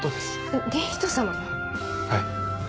はい。